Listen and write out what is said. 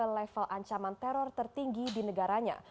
level ancaman teror tertinggi di negaranya